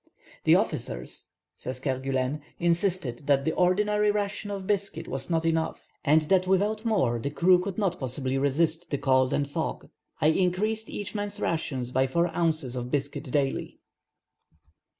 ] "The officers," says Kerguelen, "insisted that the ordinary ration of biscuit was not enough, and that without more the crew could not possibly resist the cold and fog. I increased each man's rations by four ounces of biscuit daily."